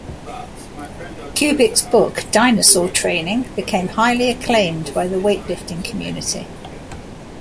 Kubik's book "Dinosaur Training" became highly acclaimed by the weight-lifting community.